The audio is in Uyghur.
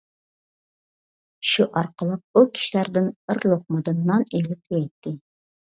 شۇ ئارقىلىق ئۇ كىشىلەردىن بىر لوقمىدىن نان ئېلىپ يەيتتى.